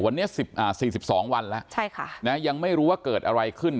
วันนี้๔๒วันแล้วยังไม่รู้ว่าเกิดอะไรขึ้น